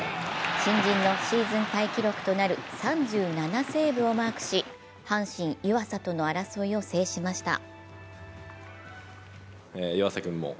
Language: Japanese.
新人のシーズンタイ記録となる３７セーブをマークし阪神・湯浅との争いを制しました。